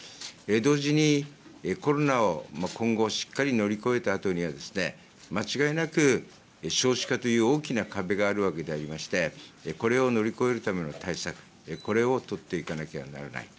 同時に、コロナを今後しっかり乗り越えたあとには、間違いなく少子化という大きな壁があるわけでありまして、これを乗り越えるための対策、これを取っていかなきゃならない。